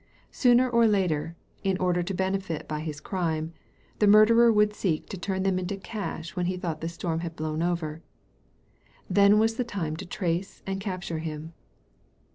Sooner or later, in order to benefit by his crime, the murderer would seek to turn them into cash when he thought the storm had blown oven Then was the time to trace and capture him.